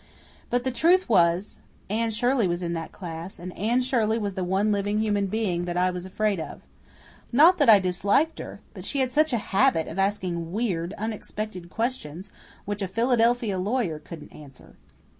But the truth was, Anne Shirley was in that class; and Anne Shirley was the one living human being that I was afraid of. Not that I disliked her. But she had such a habit of asking weird, unexpected questions, which a Philadelphia lawyer couldn't answer.